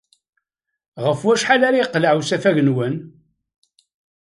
Ɣef wacḥal ara yeqleɛ usafag-nwen?